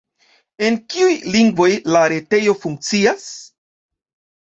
En kiuj lingvoj la retejo funkcias?